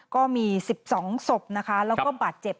ก็มี๑๒ศพนะคะแล้วก็บาดเจ็บ